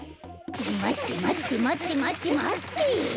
まってまってまってまってまって！